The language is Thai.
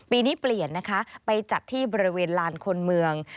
ปีนี้เปลี่ยนนะคะไปจัดที่บริเวณลานคนเมือง